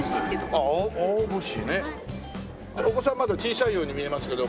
お子さんまだ小さいように見えますけど？